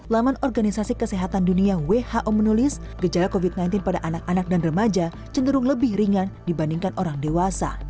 laman organisasi kesehatan dunia who menulis gejala covid sembilan belas pada anak anak dan remaja cenderung lebih ringan dibandingkan orang dewasa